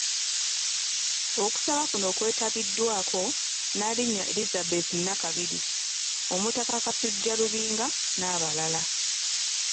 Okusaba kuno kwetabiddwako; Nnaalinnya Elizabeth Nakabiri, Omutaka Kasujju Lubinga n'abalala.